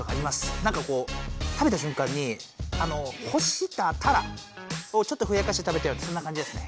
なんかこう食べたしゅんかんにほしたタラをちょっとふやかして食べたそんな感じですね。